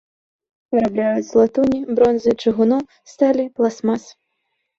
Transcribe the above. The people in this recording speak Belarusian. Вырабляюць з латуні, бронзы, чыгуну, сталі, пластмас.